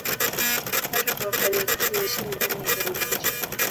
Hata kwa wafanya kazi waishio ndani ya kiwanda hicho